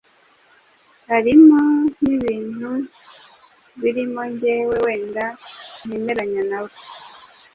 Harimo n'ibintu birimo njyewe wenda ntemeranya na we…"